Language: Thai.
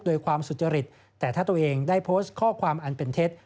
โดยความสุจริตแต่ถ้าตัวเองได้โพสต์ข้อความอันเป็นเท็จ